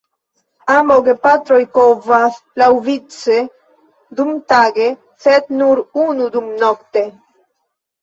Ambaŭ gepatroj kovas laŭvice dumtage sed nur unu dumnokte.